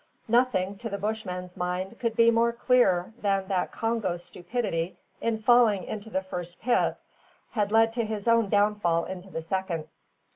Nothing, to the Bushman's mind, could be more clear than that Congo's stupidity in falling into the first pit had led to his own downfall into the second.